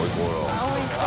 おいしそう。